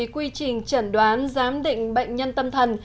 quy trình chẩn đoán giám định bệnh nhân tâm thần